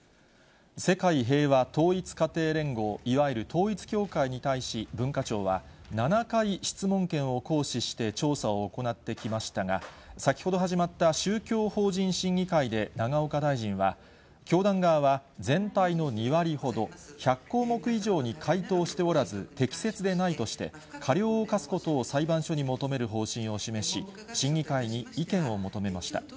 世界平和統一家庭連合、いわゆる統一教会に対し、文化庁は、７回質問権を行使して調査を行ってきましたが、先ほど始まった宗教法人審議会で、永岡大臣は教団側は全体の２割ほど、１００項目以上に回答しておらず、適切でないとして、過料を科すことを裁判所に求める方針を示し、審議会に意見を求めました。